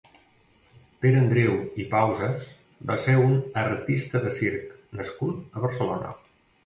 Pere Andreu i Pausas va ser un «Artista de circ» nascut a Barcelona.